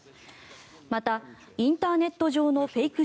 また、インターネット上のフェイク